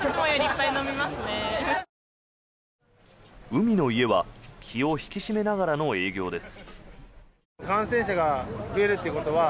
海の家は気を引き締めながらの営業です。